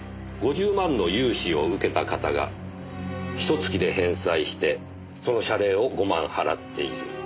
５０万の融資を受けた方がひと月で返済してその謝礼を５万払っている。